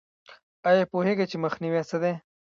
ایا پوهیږئ چې مخنیوی څه دی؟